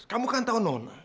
kamu kan tahu nona